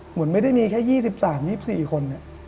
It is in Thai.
เหมือนไม่ได้มีแค่๒๓๒๔คน